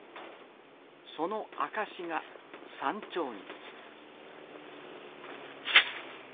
その証しが山頂に。